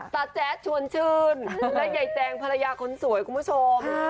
แจ๊ดชวนชื่นและยายแจงภรรยาคนสวยคุณผู้ชม